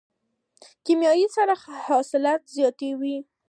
کیمیاوي سره حاصلات زیاتوي.